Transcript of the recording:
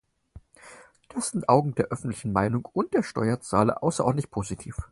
Das ist in den Augen der öffentlichen Meinung und der Steuerzahler außerordentlich positiv.